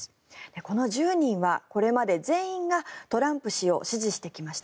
この１０人はこれまで全員がトランプ氏を支持してきました。